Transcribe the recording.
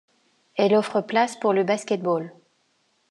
Elle offre places pour le basket-ball.